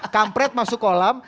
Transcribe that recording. kampret masuk kolam